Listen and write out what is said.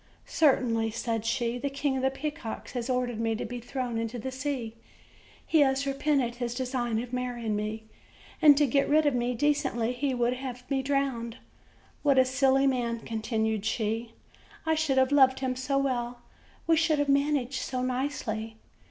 "Certainly," said she, "the King of the Peacocks has ordered me to be thrown into the sea; he has repented his design of marry ing me, and to get rid of me decently, he would have me drowned. What a silly man!" continued she; "I should have loved him so well! we should have managed so nicely!"